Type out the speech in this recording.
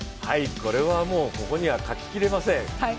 これはもうここには書ききれません。